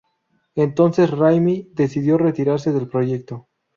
Entonces Raimi decidió retirarse del proyecto.